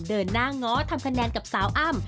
เดินหน้าง้อทำคะแนนกับสาวอ้ำ